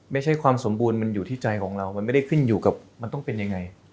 ไม่ใช่ความสมบูรณ์มันอยู่ที่ใจของเรามันไม่ได้ขึ้นอยู่กับมันต้องเป็นยังไง